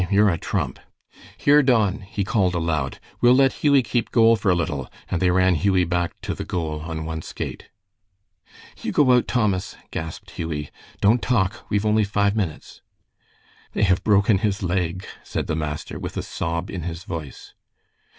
You're a trump. Here, Don," he called aloud, "we'll let Hughie keep goal for a little," and they ran Hughie back to the goal on one skate. "You go out, Thomas," gasped Hughie. "Don't talk. We've only five minutes." "They have broken his leg," said the master, with a sob in his voice.